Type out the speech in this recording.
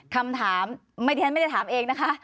คำถามไม่ได้ถามเองนะคะ